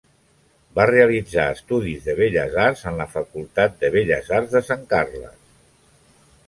Va realitzar estudis de Belles arts en la Facultat de Belles arts de Sant Carles.